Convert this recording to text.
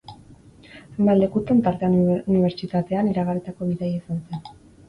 Hainbat lekutan, tartean unibertsitatean, iragarritako bidaia izan zen.